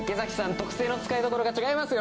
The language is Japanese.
特性の使いどころが違いますよ。